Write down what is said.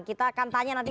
kita akan tanya nanti